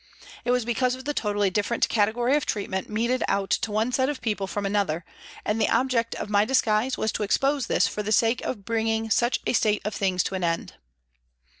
It was because of the totally different category of treatment meted out to one set of people from another, and the object of my disguise was to expose this for the sake of bringing such a state of things to an end.